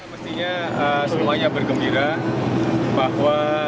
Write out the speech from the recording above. pastinya semuanya bergembira bahwa